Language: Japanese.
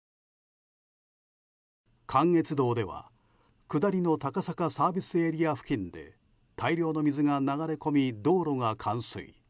関越道では下りの高坂ＳＡ付近で大量の水が流れ込み道路が冠水。